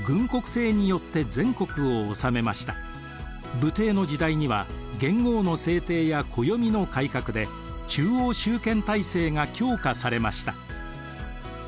武帝の時代には元号の制定や暦の改革で中央集権体制が強化されました。